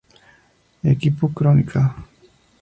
Equipo Crónica.